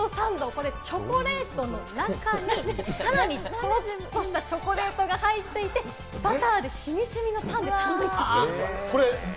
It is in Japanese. これチョコレートの中にさらにトロっとしたチョコレートが入っていて、バターでしみしみのパンでサンドイッチしてる。